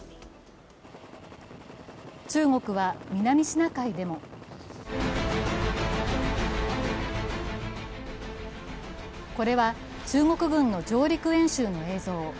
中国は南シナ海でもこれは中国軍の上陸演習の映像。